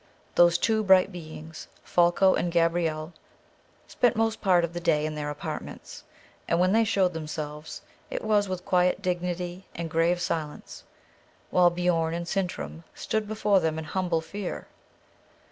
Those two bright beings, Folko and Gabrielle, spent most part of the day in their apartments, and when they showed themselves, it was with quiet dignity and grave silence, while Biorn and Sintram stood before them in humble fear.